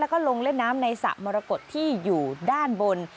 แล้วก็ลงเล่นน้ำในสระมรกฏที่อยู่ด้านบน